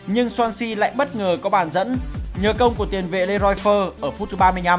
nhưng swansea lại bất ngờ có bàn dẫn nhờ công của tiền vệ leroy furr ở phút thứ ba mươi năm